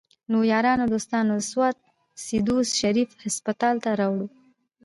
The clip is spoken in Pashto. نو يارانو دوستانو د سوات سيدو شريف هسپتال ته راوړو